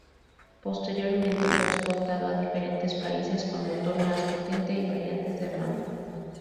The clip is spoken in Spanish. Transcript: Posteriormente fue exportado a diferentes países con motor más potente y variantes de armamento.